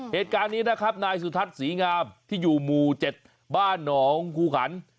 เหตุการณ์นี้นะครับนายสุทัศน์ศรีงามที่อยู่หมู่๗บ้านหนองคูขัน